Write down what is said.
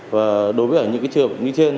và đối với những cái trường hợp như trên